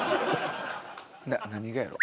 何がやろ？